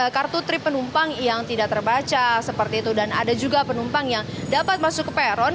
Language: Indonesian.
kartu trip penumpang yang tidak terbaca seperti itu dan ada juga penumpang yang dapat masuk ke peron